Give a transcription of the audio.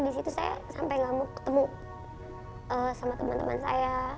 di situ saya sampai gak mau ketemu sama teman teman saya